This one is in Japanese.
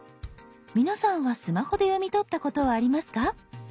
皆さんはスマホで読み取ったことはありますか？